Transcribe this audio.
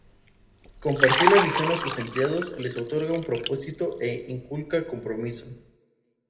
Compartir la visión a sus empleados les otorga un propósito e inculca compromiso.